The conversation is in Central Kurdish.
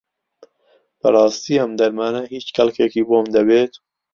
بەڕاستی ئەم دەرمانە هیچ کەڵکێکی بۆم دەبێت؟